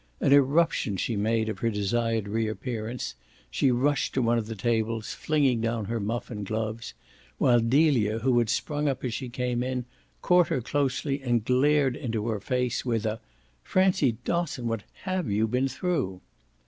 An irruption she made of her desired reappearance; she rushed to one of the tables, flinging down her muff and gloves, while Delia, who had sprung up as she came in, caught her closely and glared into her face with a "Francie Dosson, what HAVE you been through?"